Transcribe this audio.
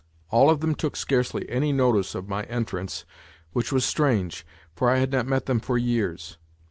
All of them took scarcely any notice of my entrance, which was strange, for I had not met them for years.